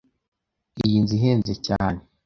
Iyi nzu ihenze cyane.